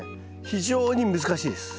非常に難しいです。